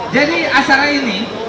jadi asara ini